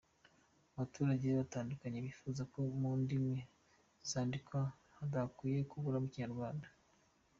Abaturage batandukanye bifuza ko mu ndimi zandikwa hadakwiye kuburamo Ikinyarwanda.